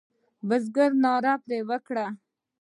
بزګر ناره پر وکړه.